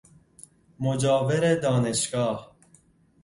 مجاور دانشگاه